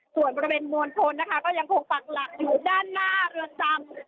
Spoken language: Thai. ส่วนบริเวณมวลชนนะคะก็ยังคงปักหลักอยู่ด้านหน้าเรือนจำ